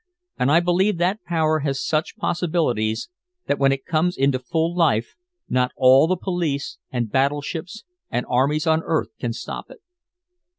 And I believe that power has such possibilities that when it comes into full life not all the police and battleships and armies on earth can stop it."